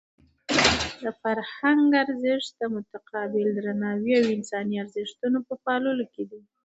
د فرهنګ ارزښت د متقابل درناوي او د انساني ارزښتونو په پاللو کې دی.